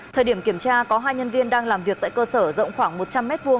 thời điểm kiểm tra có hai nhân viên đang làm việc tại cơ sở rộng khoảng một trăm linh m hai